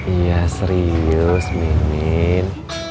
iya serius mimin